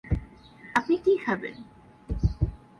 আপনি কী খাবেন?